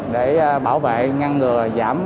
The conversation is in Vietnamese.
để bảo vệ ngăn ngừa giảm